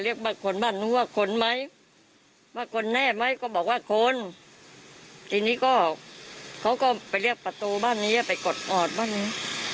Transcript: แล้วก็ไปเรียกประตูบ้านนี้ไปกดออดบ้านนี้